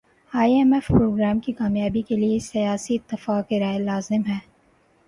ائی M F programme کی کامیابی کیلئے سیاسی اتفاق رائے لازم ہے